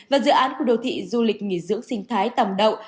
và dự án khu đô thị du lịch nghỉ dưỡng sinh thái tòng đậu